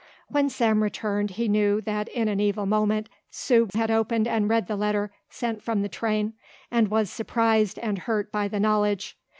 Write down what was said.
When Sam returned he knew that in an evil moment Sue had opened and read the letter sent from the train and was surprised and hurt by the knowledge.